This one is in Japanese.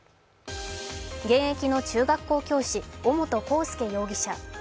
現役の中学校教師、尾本幸祐容疑者